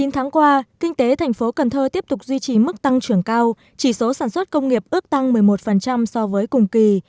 chín tháng qua kinh tế thành phố cần thơ tiếp tục duy trì mức tăng trưởng cao chỉ số sản xuất công nghiệp ước tăng một mươi một so với cùng kỳ